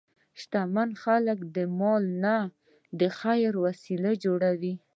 شتمن خلک د مال نه د خیر وسیله جوړوي.